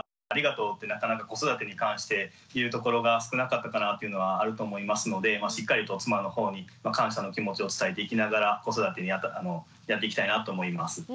「ありがとう」ってなかなか子育てに関して言うところが少なかったかなというのはあると思いますのでしっかりと妻の方に感謝の気持ちを伝えていきながら子育てをやっていきたいなと思います。